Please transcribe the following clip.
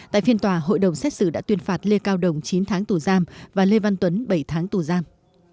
tại phiên tòa hội đồng xét xử đã tuyên phạt lê cao đồng chín tháng tù giam và lê văn tuấn bảy tháng tù giam